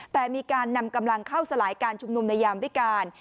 แต่มีการนำกำลังเข้าสลายการชุมนุมในยามวิการ